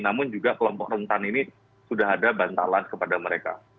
namun juga kelompok rentan ini sudah ada bantalan kepada mereka